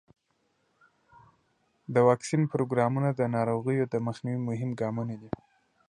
د واکسین پروګرامونه د ناروغیو د مخنیوي مهم ګامونه دي.